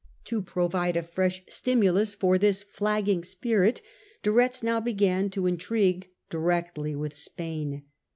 To provide a fresh stimulus for this flagging spirit De Retz now began to intrigue directly with Spain.